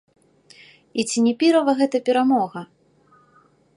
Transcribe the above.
І ці не пірава гэта перамога?